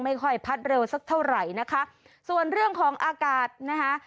ค่อยพัดเร็วสักเท่าไหร่นะคะส่วนเรื่องของอากาศนะคะ